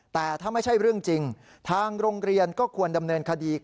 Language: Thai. แต่ถ้าไม่ใช่เรื่องจริงทางโรงเรียนก็ควรดำเนินคดี